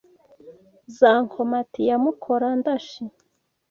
Za Nkomati ya Mukora-ndashi